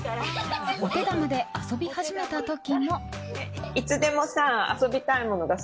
お手玉で遊び始めた時も。